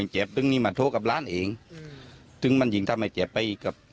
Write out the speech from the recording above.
จึงมันยิ่งทำให้เจ็บไป